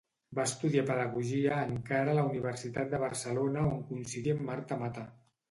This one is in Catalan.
Va estudiar Pedagogia encara a la Universitat de Barcelona on coincidí amb Marta Mata.